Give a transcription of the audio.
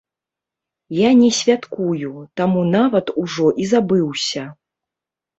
Я не святкую, таму нават ужо і забыўся.